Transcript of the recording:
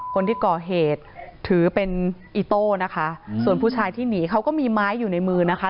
คนที่ก่อเหตุถือเป็นอิโต้นะคะส่วนผู้ชายที่หนีเขาก็มีไม้อยู่ในมือนะคะ